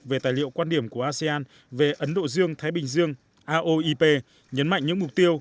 về tài liệu quan điểm của asean về ấn độ dương thái bình dương aoip nhấn mạnh những mục tiêu